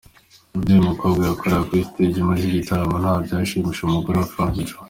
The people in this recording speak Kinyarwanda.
Ibyo uyu mukobwa yakoreraga kuri stage muri iki gitaramo ntabyashimishije umugore wa Frank Joe.